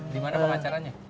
di mana pengacaranya